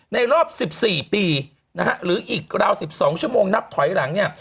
รอบ๑๔ปีนะฮะหรืออีกราว๑๒ชั่วโมงนับถอยหลังเนี่ย